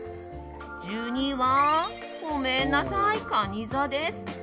１２位はごめんなさい、かに座です。